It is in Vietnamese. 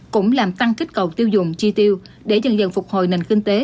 cũng làm tăng kích cầu tiêu dùng chi tiêu để dần dần phục hồi nền kinh tế